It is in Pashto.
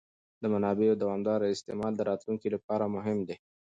د منابعو دوامداره استعمال د راتلونکي لپاره مهم دی.